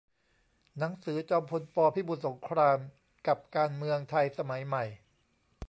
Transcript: หนังสือ จอมพล ป. พิบูลสงคราม กับการเมืองไทยสมัยใหม่